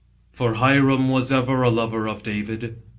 "For Hiram was ever a lover of David."